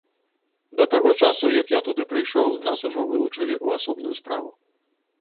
Да таго часу, як я туды прыйшоў, нас ужо вылучылі ў асобную справу.